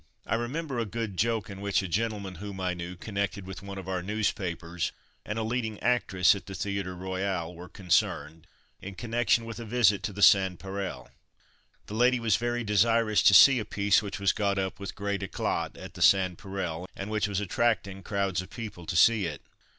I remember a good joke in which a gentlemen whom I knew, connected with one of our newspapers, and a leading actress at the Theatre Royal, were concerned, in connection with a visit to the Sans Pareil. The lady was very desirous to see a piece which was got up with great eclat at the Sans Pareil, and which was attracting crowds of people to see it.